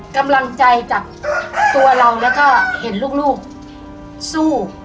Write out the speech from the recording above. กำลังใจจากตัวเราแล้วก็เห็นลูกสู้